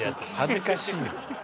恥ずかしい。